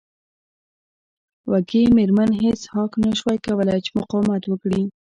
وږې میرمن هیج هاګ نشوای کولی چې مقاومت وکړي